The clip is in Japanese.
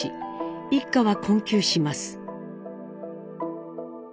一家は困窮します。